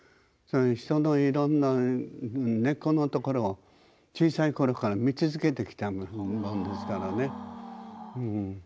人の、いろんな根っこのところを小さいころから見続けてきたものですからね。